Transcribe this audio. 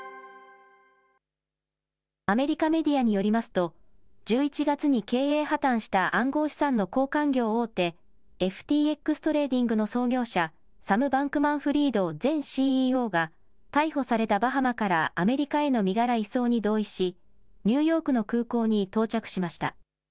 アメリカメディアによりますと、１１月に経営破綻した暗号資産の交換業大手、ＦＴＸトレーディングの創業者、サム・バンクマンフリード前ＣＥＯが逮捕されたバハマからアメリカへの身柄移送に同意し、ニューヨークの空港に到着しました。